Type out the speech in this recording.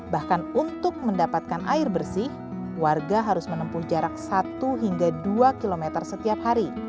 bahkan untuk mendapatkan air bersih warga harus menempuh jarak satu hingga dua km setiap hari